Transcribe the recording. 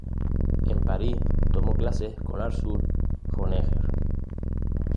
En París tomó clases con Arthur Honegger.